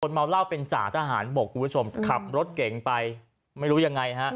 เมาเหล้าเป็นจ่าทหารบกคุณผู้ชมขับรถเก่งไปไม่รู้ยังไงฮะ